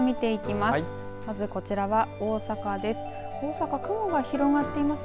まずこちらは大阪です。